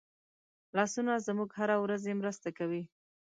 لاسونه زموږ هره ورځي مرسته کوي